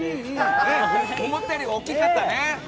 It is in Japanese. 思ったよりも大きかったね。